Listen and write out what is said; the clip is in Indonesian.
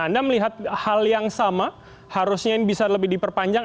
anda melihat hal yang sama harusnya ini bisa lebih diperpanjang